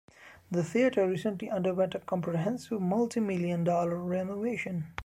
The theatre recently underwent a comprehensive multimillion-dollar renovation.